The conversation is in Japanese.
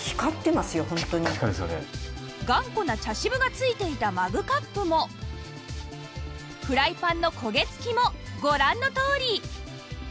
頑固な茶渋がついていたマグカップもフライパンの焦げ付きもご覧のとおり